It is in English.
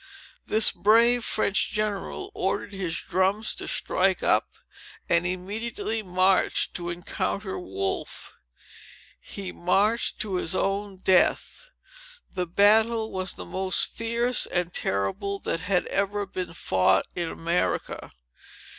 This brave French general ordered his drums to strike up, and immediately marched to encounter Wolfe. He marched to his own death. The battle was the most fierce and terrible, that had ever been fought in America.